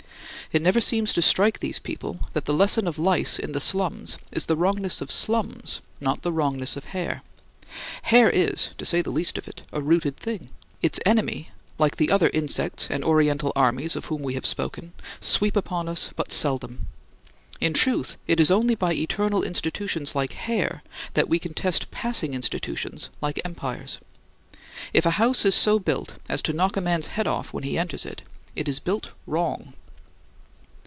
It never seems to strike these people that the lesson of lice in the slums is the wrongness of slums, not the wrongness of hair. Hair is, to say the least of it, a rooted thing. Its enemy (like the other insects and oriental armies of whom we have spoken) sweep upon us but seldom. In truth, it is only by eternal institutions like hair that we can test passing institutions like empires. If a house is so built as to knock a man's head off when he enters it, it is built wrong.